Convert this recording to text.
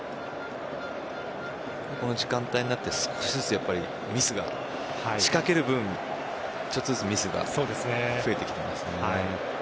この時間帯になって少しずつミスが仕掛ける分ちょっとずつミスが増えてきていますね。